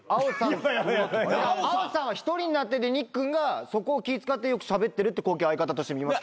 青さんは一人になっててにっくんがそこを気使ってよくしゃべってるって光景相方として見ますけど。